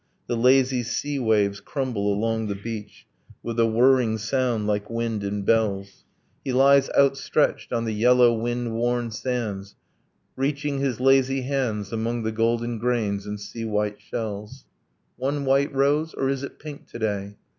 . The lazy sea waves crumble along the beach With a whirring sound like wind in bells, He lies outstretched on the yellow wind worn sands Reaching his lazy hands Among the golden grains and sea white shells ... 'One white rose ... or is it pink, to day?'